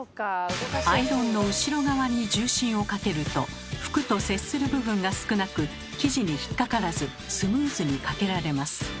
アイロンの後ろ側に重心をかけると服と接する部分が少なく生地に引っ掛からずスムーズにかけられます。